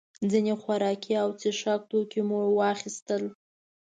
ځینې خوراکي او څښاک توکي مو واخیستل.